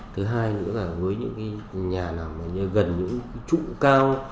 thứ hai nữa là với những cái nhà nào gần những cái trụ cao